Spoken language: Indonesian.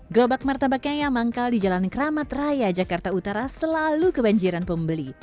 gerobak martabaknya yang manggal di jalan keramat raya jakarta utara selalu kebanjiran pembeli